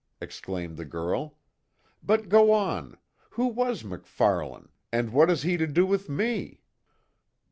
exclaimed the girl. "But, go on! Who was MacFarlane, and what has he to do with me?"